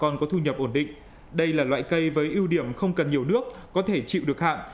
nhu nhập ổn định đây là loại cây với ưu điểm không cần nhiều nước có thể chịu được hạn